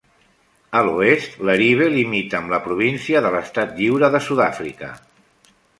A l'oest, Leribe limita amb la Província de l'Estat Lliure de Sud-àfrica.